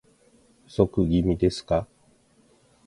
不足気味ですか